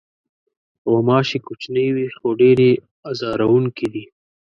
غوماشې کوچنۍ وي، خو ډېرې آزاروونکې دي.